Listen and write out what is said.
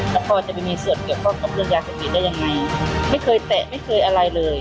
แล้วพ่อจะมีเสียดเกี่ยวกับเรื่องยาเสียดผิดได้ยังไงไม่เคยแตะไม่เคยอะไรเลย